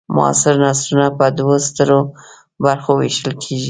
معاصر نثرونه په دوو سترو برخو وېشل کیږي.